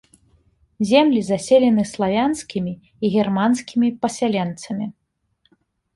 Землі заселены славянскімі і германскімі пасяленцамі.